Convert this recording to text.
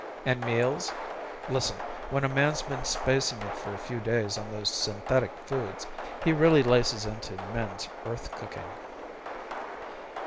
And meals? Listen, when a man's been spacing it for a few days on those synthetic foods he really laces into Min's Earth cooking.